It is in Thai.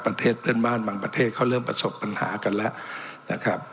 ประเทศเพื่อนบ้านบางประเทศเขาเริ่มประสบปัญหากันแล้วนะครับ